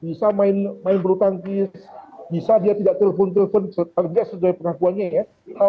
bisa main main belutangkis bisa dia tidak telpon telpon tidak setelah pengakuannya ya